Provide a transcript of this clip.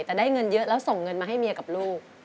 แต่ได้เงินเยอะแล้วส่งเงินมาให้เมียกับลูก